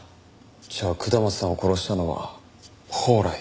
じゃあ下松さんを殺したのは宝来。